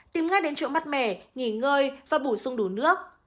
tìm ngay đến chỗ mát mẻ nghỉ ngơi và bổ sung đủ nước